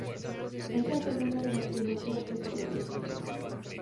Es la segunda de la trilogía Tres colores.